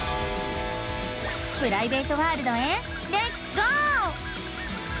プライベートワールドへレッツゴー！